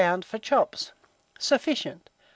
for chops. Sufficient.